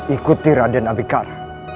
ikuti raden abikar